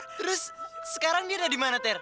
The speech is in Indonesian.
terus sekarang dia ada di mana ter